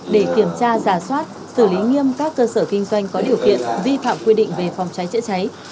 để kiểm tra giả soát xử lý nghiêm các cơ sở kinh doanh có điều kiện vi phạm quy định về phòng cháy chữa cháy